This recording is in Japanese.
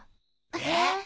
えっ？